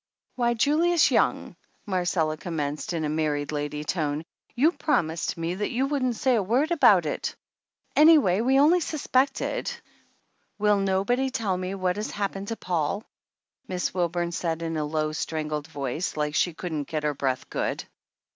"Why, Julius Young," Marcella commenced in a married lady tone, "you promised me that you wouldn't say a word about it; anyway we only suspected "Will nobody tell me what has happened to Paul?" Miss Wilburn said in a low, strangled voice, like she couldn't get her breath good.